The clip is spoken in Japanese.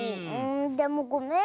でもごめん。